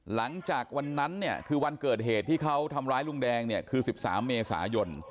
หลังจากวันนั้นเนี่ยคือวันเกิดเหตุที่เขาทำร้ายลุงแดงเนี่ยคือ๑๓เมษายน